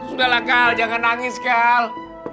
udahlah kal jangan nangis kal